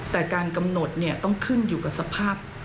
แต่การกำหนดต้องขึ้นอยู่กับสภาพ